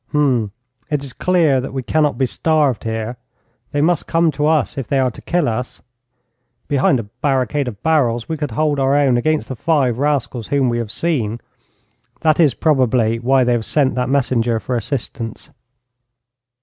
'Hum! It is clear that we cannot be starved here. They must come to us if they are to kill us. Behind a barricade of barrels we could hold our own against the five rascals whom we have seen. That is, probably, why they have sent that messenger for assistance.'